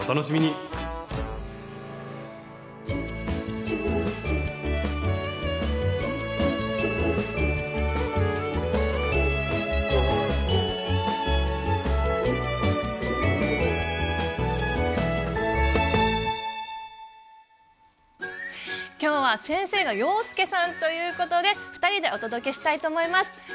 今日は先生が洋輔さんということで二人でお届けしたいと思います。